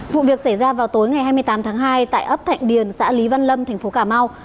vụ việc xảy ra vào tối ngày hai mươi tám tháng hai tại ấp thạnh điền xã lý văn lâm thành phố cà mau